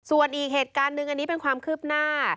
ส่วนอีกเหตุการณ์หนึ่งอันนี้เป็นความคืบหน้า